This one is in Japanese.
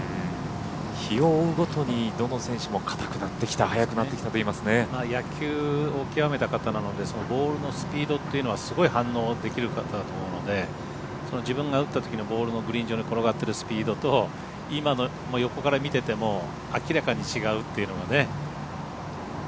日を追うごとにどの選手も硬くなってきた野球を極めた方なのでそのボールのスピードというのはすごい反応できる方だと思うので自分が打った時のボールがグリーン上に転がっているときのスピードと今の横から見てても明らかに違うというのがね。